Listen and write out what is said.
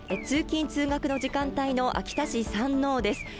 通勤・通学の時間帯の秋田市山王です。